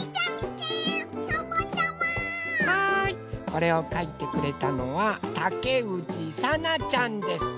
これをかいてくれたのはたけうちさなちゃんです。